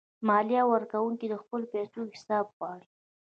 مالیه ورکونکي د خپلو پیسو حساب غواړي.